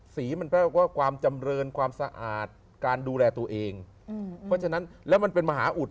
สีมันแปลว่าความจำเรินความสะอาดการดูแลตัวเองเพราะฉะนั้นแล้วมันเป็นมหาอุด